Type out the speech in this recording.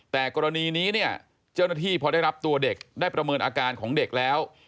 แต่กรณีนี้เนี่ยเจ้าหน้าที่พอได้รับตัวเด็กได้ประเมินอาการของเด็กแล้ว